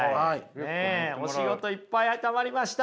ねえお仕事いっぱいたまりました。